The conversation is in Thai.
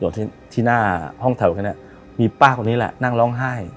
ที่ที่หน้าห้องแถวแค่นี้มีป้าคนนี้แหละนั่งร้องไห้